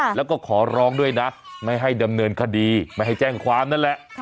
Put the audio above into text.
แล้วก็ขอร้องด้วยนะไม่ให้ดำเนินคดีไม่ให้แจ้งความนั่นแหละ